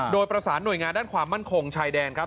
โดยประสานหน่วยงานด้านความมั่นคงชายแดนครับ